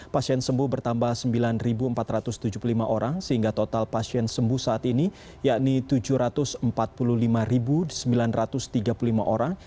pasien sembuh bertambah sembilan empat ratus tujuh puluh lima orang sehingga total pasien sembuh saat ini yakni tujuh ratus empat puluh lima sembilan ratus tiga puluh lima orang